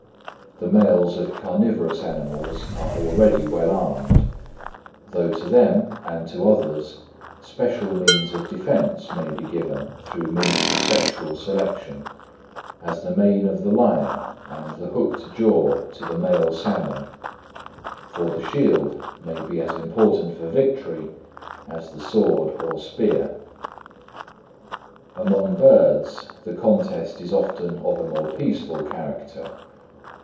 The males of carnivorous animals are already well armed; though to them and to others, special means of defence may be given through means of sexual selection, as the mane of the lion, and the hooked jaw to the male salmon; for the shield may be as important for victory as the sword or spear. Among birds, the contest is often of a more peaceful character.